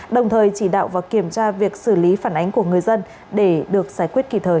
đồng thời chỉ đạo và kiểm tra việc xử lý phản ánh của người dân để được giải quyết kịp thời